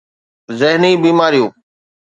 ذهني بيماريون b